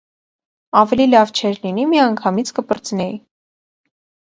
- Ավելի լավ չէ՞ր լինի, միանգամից կպրծնեի…